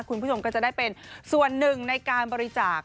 คุณผู้ชมก็จะได้เป็นส่วนหนึ่งในการบริจาค